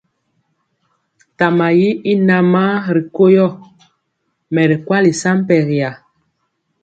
Tama yi i namaa ri ko yɔ, mɛ ri kwali sampɛriya.